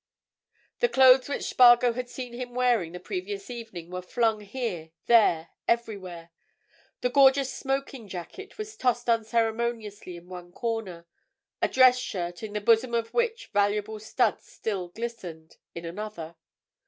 The clothes which Spargo had seen him wearing the previous evening were flung here, there, everywhere: the gorgeous smoking jacket was tossed unceremoniously in one corner, a dress shirt, in the bosom of which valuable studs still glistened, in another.